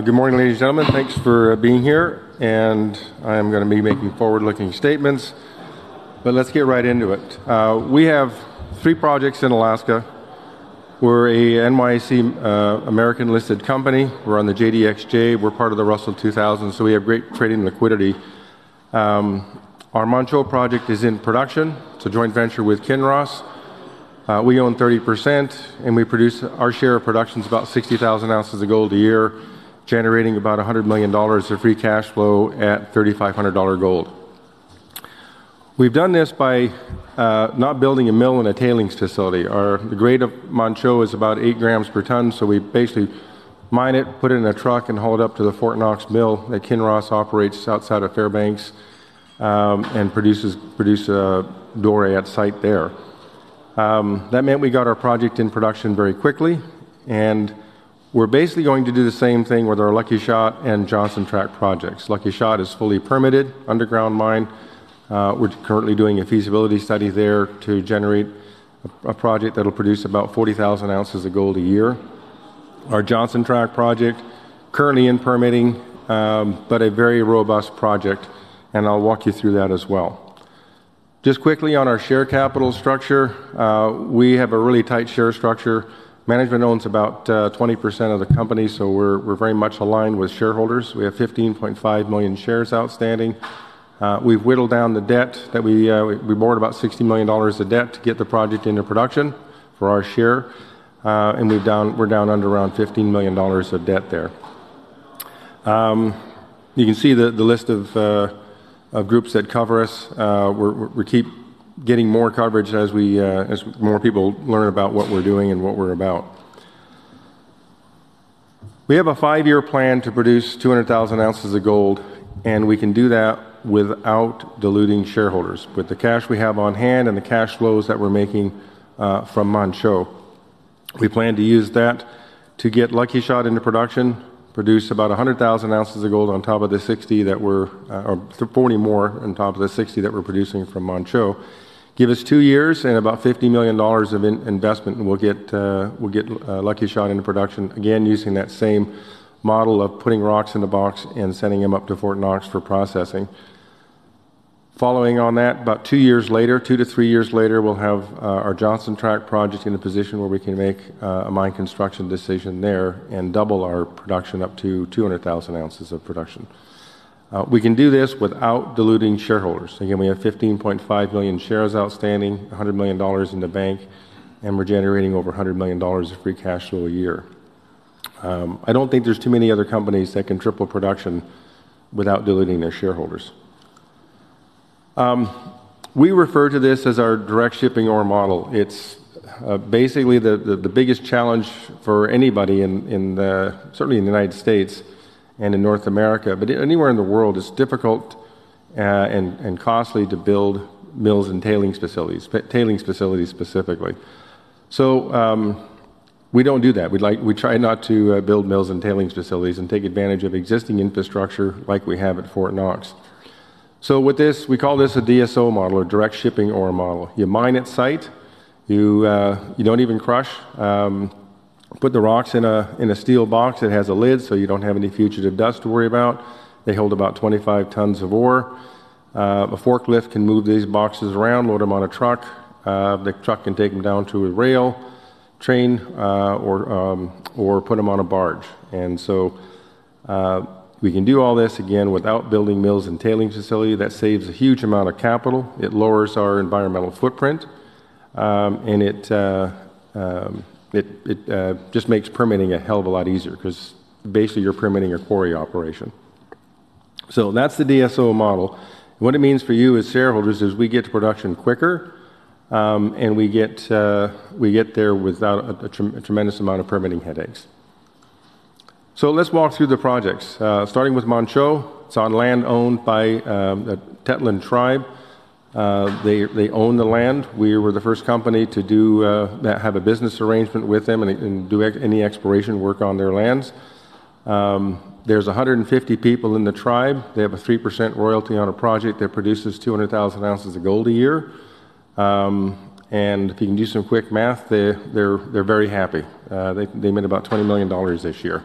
Good morning, ladies and gentlemen. Thanks for being here, and I'm going to be making forward-looking statements, but let's get right into it. We have three projects in Alaska. We're an NYSE American-listed company. We're on the GDXJ. We're part of the Russell 2000, so we have great trading liquidity. Our Montreal project is in production. It's a joint venture with Kinross. We own 30%, and we produce our share of production is about 60,000 ounces of gold a year, generating about $100 million of free cash flow at $3,500 gold. We've done this by not building a mill in a tailings facility. The grade of Montreal is about 8 gm per ton, so we basically mine it, put it in a truck, and haul it up to the Fort Knox Mill that Kinross operates outside of Fairbanks and produces doré at site there. That meant we got our project in production very quickly, and we're basically going to do the same thing with our Lucky Shot and Johnson Tract projects. Lucky Shot is fully permitted, underground mine. We're currently doing a feasibility study there to generate a project that'll produce about 40,000 ounces of gold a year. Our Johnson Tract project is currently in permitting, but a very robust project, and I'll walk you through that as well. Just quickly on our share capital structure, we have a really tight share structure. Management owns about 20% of the company, so we're very much aligned with shareholders. We have 15.5 million shares outstanding. We've whittled down the debt that we borrowed, about $60 million of debt, to get the project into production for our share, and we're down under around $15 million of debt there. You can see the list of groups that cover us. We keep getting more coverage as more people learn about what we're doing and what we're about. We have a five-year plan to produce 200,000 ounces of gold, and we can do that without diluting shareholders. With the cash we have on hand and the cash flows that we're making from Montreal, we plan to use that to get Lucky Shot into production, produce about 100,000 ounces of gold on top of the 60 that we're—or 40 more on top of the 60 that we're producing from Montreal. Give us two years and about $50 million of investment, and we'll get Lucky Shot into production again using that same model of putting rocks in a box and sending them up to Fort Knox for processing. Following on that, about two years later, two to three years later, we'll have our Johnson Tract project in a position where we can make a mine construction decision there and double our production up to 200,000 ounces of production. We can do this without diluting shareholders. Again, we have 15.5 million shares outstanding, $100 million in the bank, and we're generating over $100 million of free cash flow a year. I don't think there's too many other companies that can triple production without diluting their shareholders. We refer to this as our direct shipping ore model. It's basically the biggest challenge for anybody, certainly in the U.S. and in North America, but anywhere in the world, it's difficult and costly to build mills and tailings facilities, tailings facilities specifically. We don't do that. We try not to build mills and tailings facilities and take advantage of existing infrastructure, like we have at Fort Knox. With this, we call this a DSO model or direct shipping ore model. You mine at site. You do not even crush. Put the rocks in a steel box that has a lid so you do not have any future dust to worry about. They hold about 25 tons of ore. A forklift can move these boxes around, load them on a truck. The truck can take them down to a rail, train, or put them on a barge. We can do all this again without building mills and tailings facilities. That saves a huge amount of capital. It lowers our environmental footprint, and it just makes permitting a hell of a lot easier because basically, you are permitting a quarry operation. That is the DSO model. What it means for you as shareholders is we get to production quicker, and we get there without a tremendous amount of permitting headaches. Let's walk through the projects. Starting with Montreal, it's on land owned by the Tetlin Tribe. They own the land. We were the first company to have a business arrangement with them and do any exploration work on their lands. There are 150 people in the tribe. They have a 3% royalty on a project that produces 200,000 ounces of gold a year. If you can do some quick math, they're very happy. They made about $20 million this year.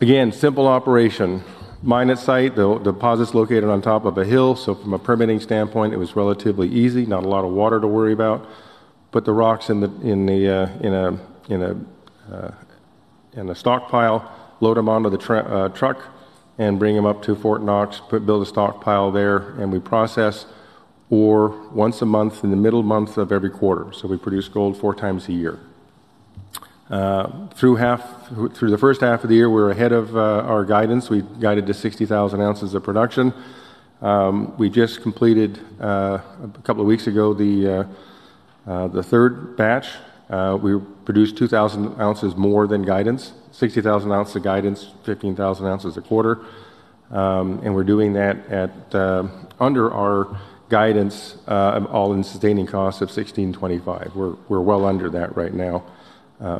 Again, simple operation. Mine at site. The deposit's located on top of a hill, so from a permitting standpoint, it was relatively easy. Not a lot of water to worry about. Put the rocks in a stockpile. Load them onto the truck and bring them up to Fort Knox. Build a stockpile there, and we process ore once a month in the middle month of every quarter. We produce gold four times a year. Through the first half of the year, we were ahead of our guidance. We guided to 60,000 ounces of production. We just completed a couple of weeks ago the third batch. We produced 2,000 ounces more than guidance, 60,000 ounces of guidance, 15,000 ounces a quarter. We are doing that under our guidance, all in sustaining costs of $16.25. We are well under that right now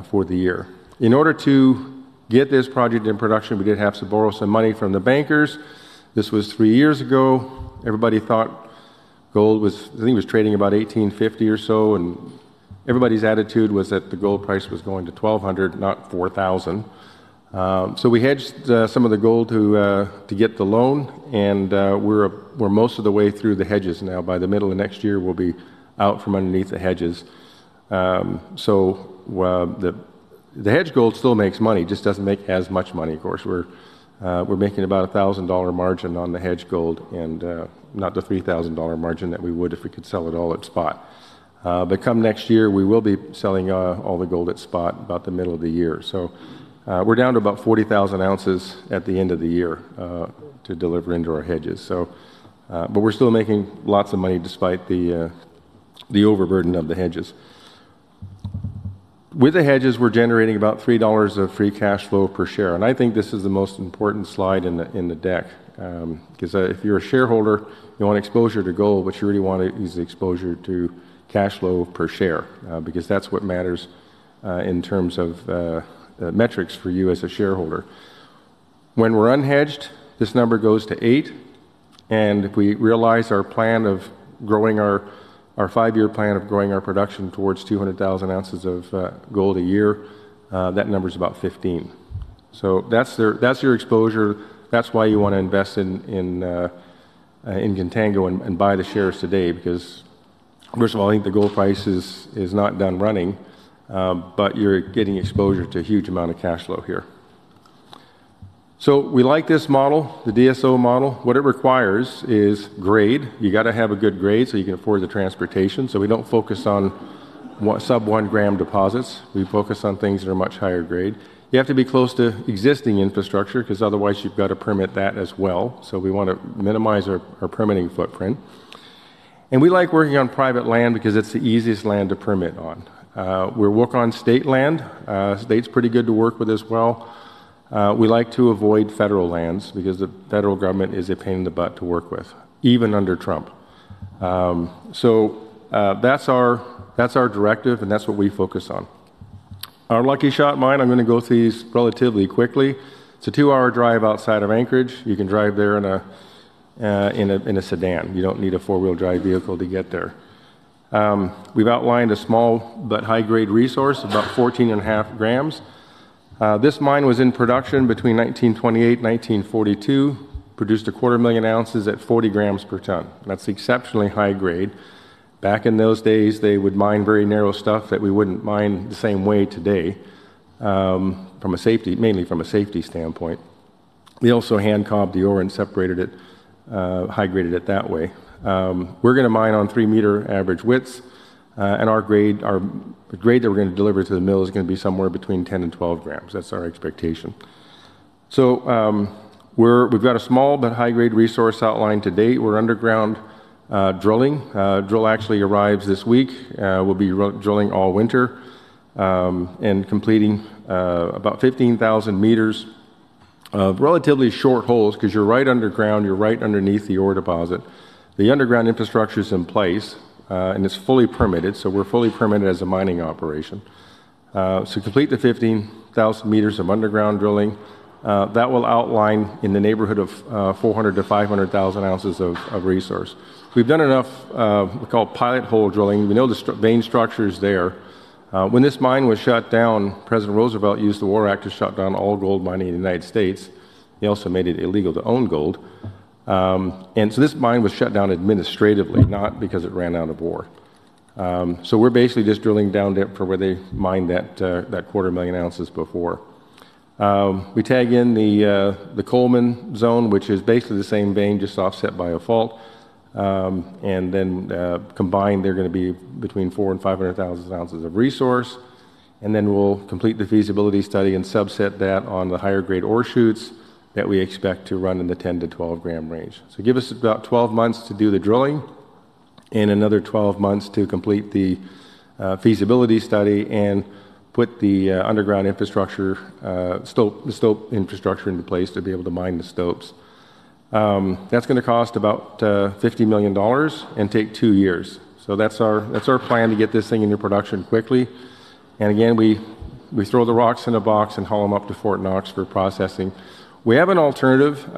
for the year. In order to get this project in production, we did have to borrow some money from the bankers. This was three years ago. Everybody thought gold was—I think it was trading about $1,850 or so, and everybody's attitude was that the gold price was going to $1,200, not $4,000. We hedged some of the gold to get the loan, and we're most of the way through the hedges now. By the middle of next year, we'll be out from underneath the hedges. The hedge gold still makes money. It just doesn't make as much money, of course. We're making about a $1,000 margin on the hedge gold and not the $3,000 margin that we would if we could sell it all at spot. Come next year, we will be selling all the gold at spot about the middle of the year. We're down to about 40,000 ounces at the end of the year to deliver into our hedges. We're still making lots of money despite the overburden of the hedges. With the hedges, we're generating about $3 of free cash flow per share. I think this is the most important slide in the deck because if you're a shareholder, you want exposure to gold, but you really want to use the exposure to cash flow per share because that's what matters in terms of metrics for you as a shareholder. When we're unhedged, this number goes to $8, and if we realize our plan of growing our five-year plan of growing our production towards 200,000 ounces of gold a year, that number's about $15. That's your exposure. That's why you want to invest in Contango and buy the shares today, because, first of all, I think the gold price is not done running, but you're getting exposure to a huge amount of cash flow here. We like this model, the DSO model. What it requires is grade. You got to have a good grade so you can afford the transportation. We do not focus on sub-1 gm deposits. We focus on things that are much higher grade. You have to be close to existing infrastructure because otherwise, you have to permit that as well. We want to minimize our permitting footprint. We like working on private land because it is the easiest land to permit on. We work on state land. State is pretty good to work with as well. We like to avoid federal lands because the federal government is a pain in the butt to work with, even under Trump. That is our directive, and that is what we focus on. Our Lucky Shot mine, I am going to go through these relatively quickly. It is a two-hour drive outside of Anchorage. You can drive there in a sedan. You do not need a four-wheel-drive vehicle to get there. We have outlined a small but high-grade resource, about 14.5 gm. This mine was in production between 1928 and 1942, produced a quarter million ounces at 40 gm per ton. That is exceptionally high grade. Back in those days, they would mine very narrow stuff that we would not mine the same way today, mainly from a safety standpoint. We also hand-carved the ore and separated it, high-graded it that way. We are going to mine on 3-meter average widths, and our grade that we are going to deliver to the mill is going to be somewhere between 10-12 gm. That is our expectation. We have got a small but high-grade resource outlined to date. We are underground drilling. Drill actually arrives this week. We'll be drilling all winter and completing about 15,000 m of relatively short holes because you're right underground. You're right underneath the ore deposit. The underground infrastructure's in place, and it's fully permitted. We're fully permitted as a mining operation. Complete the 15,000 m of underground drilling. That will outline in the neighborhood of 400,000-500,000 ounces of resource. We've done enough, we call it pilot hole drilling. We know the vein structure's there. When this mine was shut down, President Roosevelt used the War Act to shut down all gold mining in the U.S. He also made it illegal to own gold. This mine was shut down administratively, not because it ran out of ore. We're basically just drilling down depth for where they mined that quarter million ounces before. We tag in the Coleman Zone, which is basically the same vein, just offset by a fault. Then combined, they're going to be between 400,000 and 500,000 ounces of resource. Then we'll complete the feasibility study and subset that on the higher-grade ore chutes that we expect to run in the 10-12 gm range. Give us about 12 months to do the drilling and another 12 months to complete the feasibility study and put the underground infrastructure, the stope infrastructure into place to be able to mine the stopes. That's going to cost about $50 million and take two years. That's our plan to get this thing into production quickly. Again, we throw the rocks in a box and haul them up to Fort Knox for processing. We have an alternative.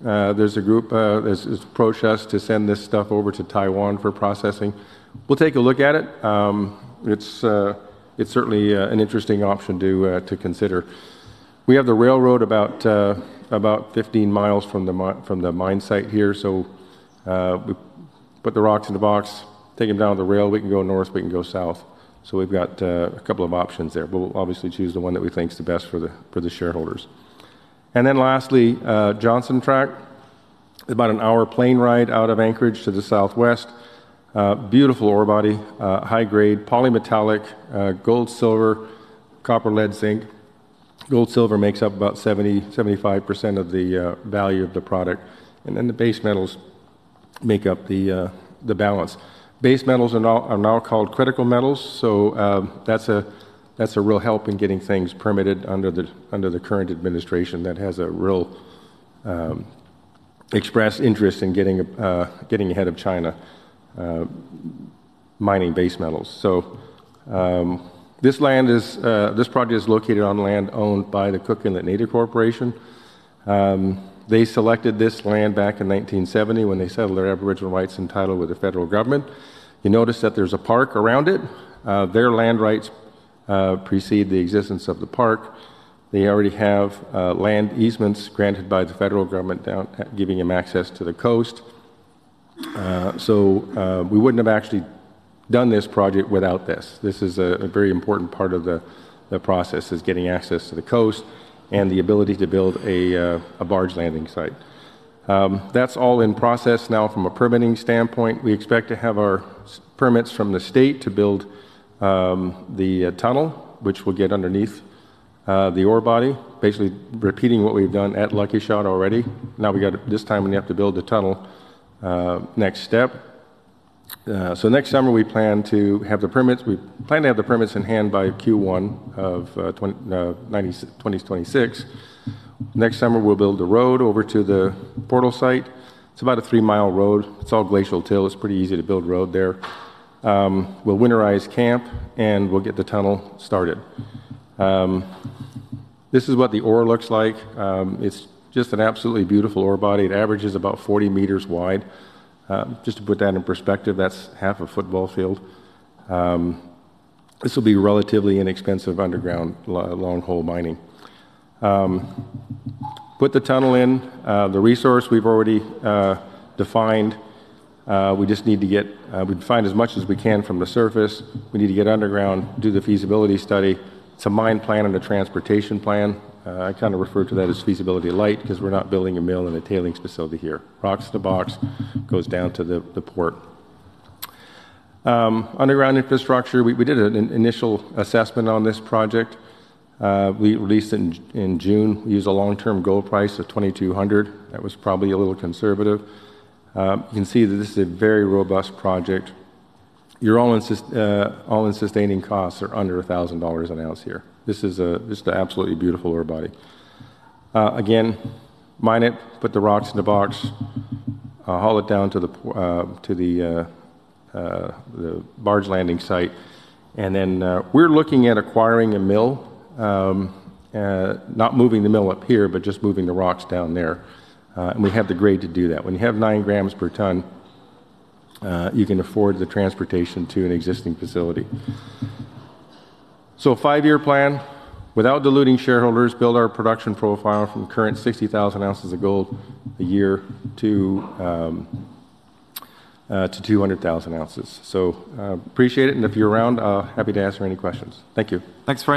There's a group that's approached us to send this stuff over to Taiwan for processing. We'll take a look at it. It's certainly an interesting option to consider. We have the railroad about 15 mi from the mine site here. We put the rocks in a box, take them down the rail. We can go north. We can go south. We've got a couple of options there. We'll obviously choose the one that we think's the best for the shareholders. Lastly, Johnson Tract is about an hour plane ride out of Anchorage to the southwest. Beautiful ore body, high-grade, polymetallic, gold, silver, copper, lead, zinc. Gold, silver makes up about 70%-75% of the value of the product. The base metals make up the balance. Base metals are now called critical metals. That's a real help in getting things permitted under the current administration that has a real express interest in getting ahead of China mining base metals. This project is located on land owned by the Cook Inlet Native Corporation. They selected this land back in 1970 when they settled their Aboriginal rights and title with the federal government. You notice that there's a park around it. Their land rights precede the existence of the park. They already have land easements granted by the federal government, giving them access to the coast. We wouldn't have actually done this project without this. This is a very important part of the process, getting access to the coast and the ability to build a barge landing site. That's all in process now from a permitting standpoint. We expect to have our permits from the state to build the tunnel, which will get underneath the ore body, basically repeating what we've done at Lucky Shot already. Now, this time we have to build the tunnel next step. Next summer, we plan to have the permits. We plan to have the permits in hand by Q1 of 2026. Next summer, we'll build the road over to the portal site. It's about a 3-mile road. It's all glacial till. It's pretty easy to build road there. We'll winterize camp, and we'll get the tunnel started. This is what the ore looks like. It's just an absolutely beautiful ore body. It averages about 40 m wide. Just to put that in perspective, that's half a football field. This will be relatively inexpensive underground long-hole mining. Put the tunnel in. The resource we've already defined. We just need to get—we've defined as much as we can from the surface. We need to get underground, do the feasibility study, some mine plan, and a transportation plan. I kind of refer to that as feasibility light because we're not building a mill and a tailings facility here. Rocks in a box goes down to the port. Underground infrastructure. We did an initial assessment on this project. We released it in June. We used a long-term gold price of $2,200. That was probably a little conservative. You can see that this is a very robust project. All in sustaining costs are under $1,000 an ounce here. This is the absolutely beautiful ore body. Again, mine it, put the rocks in a box, haul it down to the barge landing site. We're looking at acquiring a mill, not moving the mill up here, but just moving the rocks down there. We have the grade to do that. When you have 9 gm per ton, you can afford the transportation to an existing facility. Five-year plan, without diluting shareholders, build our production profile from current 60,000 ounces of gold a year to 200,000 ounces. Appreciate it. If you're around, happy to answer any questions. Thank you. Thanks very much.